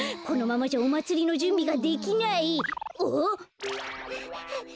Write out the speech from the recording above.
このままじゃおまつりのじゅんびができない。